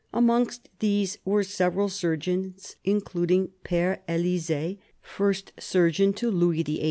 Amongst these were several surgeons including Père Elisée, First Surgeon to Louis XVIII.